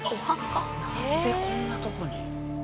なんでこんなとこに。